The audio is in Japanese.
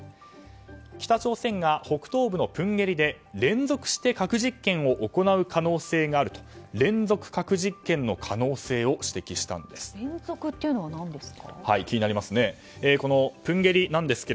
北朝鮮が北東部のプンゲリで連続して核実験を行う可能性があると連続核実験の可能性を連続というのは何ですか。